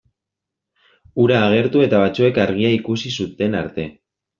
Hura agertu eta batzuek argia ikusi zuten arte.